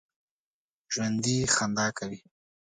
ژوندي خندا کوي